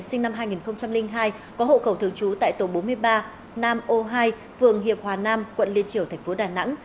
sinh năm hai nghìn hai có hộ khẩu thường trú tại tổ bốn mươi ba nam o hai vườn hiệp hòa nam quận liên triều tp đà nẵng